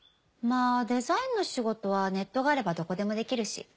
まぁデザインの仕事はネットがあればどこでもできるし。